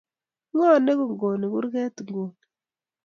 Ng'o ne kong'kong'i kurget nguni?